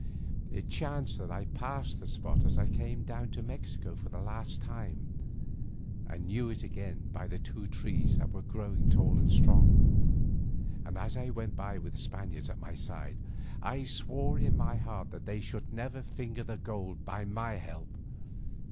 It chanced that I passed the spot as I came down to Mexico for the last time, and knew it again by the two trees that were growing tall and strong, and as I went by with Spaniards at my side, I swore in my heart that they should never finger the gold by my help.